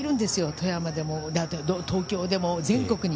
富山でも、東京でも全国に。